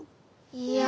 いや。